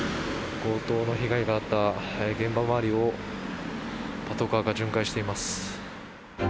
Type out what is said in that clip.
強盗の被害があった現場周りをパトカーが巡回しています。